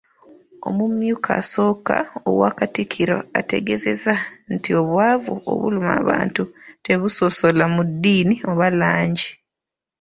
Omumyuka asooka owa Katikkiro ategeezezza nti obwavu obuluma abantu tebusosola mu ddiini oba langi.